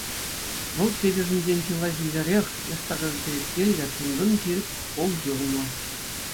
Вӑл тетӗшӗнчен чылай ҫӳллӗрех, яштака кӗлеткеллӗ, тӑн-тӑн ҫирӗп хул-ҫурӑмлӑ.